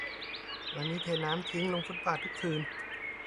ร้านนี้เทน้ำทิ้งลงฟุตบาททุกคืน